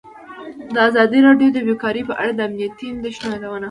ازادي راډیو د بیکاري په اړه د امنیتي اندېښنو یادونه کړې.